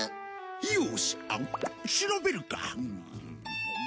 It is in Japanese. よし調べるか。